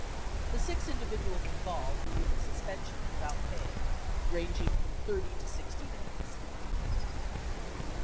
The six individuals involved were given suspensions without pay ranging from 30 to 60 days.